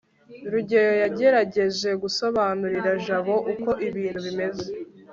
rugeyo yagerageje gusobanurira jabo uko ibintu bimeze